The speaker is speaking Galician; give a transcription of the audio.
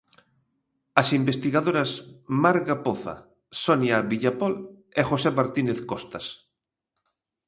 As investigadoras Marga Poza, Sonia Villapol e José Martínez Costas.